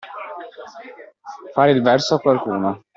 Fare il verso a qualcuno.